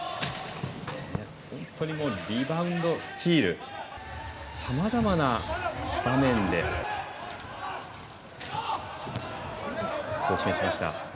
本当にリバウンド、スチールさまざまな場面で貢献しました。